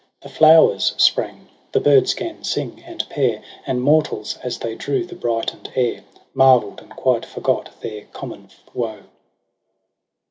The flowers sprang, the birds gan sing and pair. And mortals, as they drew the brighten'd air, Marvel'd, and quite forgot their common woe.